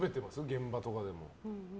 現場とかでも。